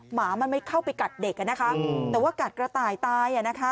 หมามันไม่เข้าไปกัดเด็กอะนะคะแต่ว่ากัดกระต่ายตายอะนะคะ